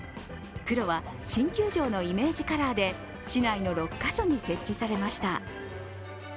黒は新球場のイメージカラーで市内の６カ所に設置されました。